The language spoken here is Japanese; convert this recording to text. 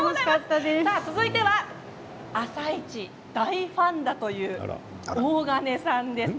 続いては「あさイチ」大ファンだという大金さんです。